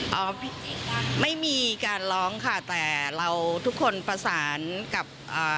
ไม่มีการร้องค่ะแต่เราทุกคนประสานกับอ่า